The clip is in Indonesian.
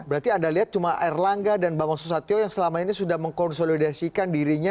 berarti anda lihat cuma erlangga dan bambang susatu yang selama ini sudah mengkonsolidasikan dirinya